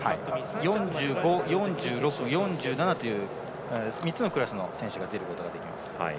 ４５、４６、４７という３つのクラスの選手が出ることができます。